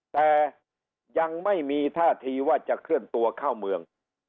แต่ยังไม่มีท่าทีว่าจะเคลื่อนตัวเข้าเมือง